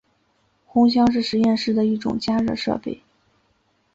烘箱是实验室中的一种加热设备。